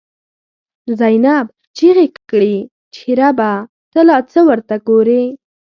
«زینب» چیغی کړی چه ربه، ته لا څه ته ورته گوری